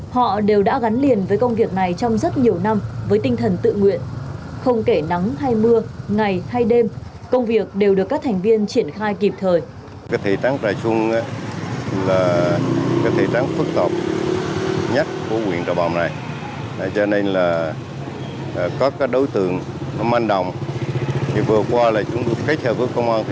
họ đều đã gắn liền với công việc này trong giải quyết